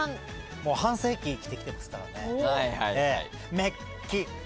もう半世紀生きてきてますからね。